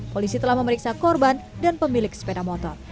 polisi telah memeriksa korban dan pemilik sepeda motor